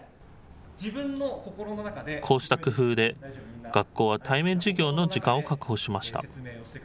こうした工夫で、学校は対面授業の時間を確保しました。